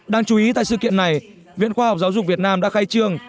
đáng chú ý tại sự kiện này viện khoa học giáo dục việt nam đã khai trương